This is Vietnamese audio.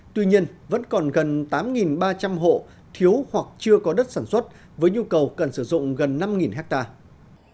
tuy nhiên vẫn còn gần tám ba trăm linh hộ thiếu hoặc chưa có đất sản xuất với nhu cầu cần sử dụng gần năm hectare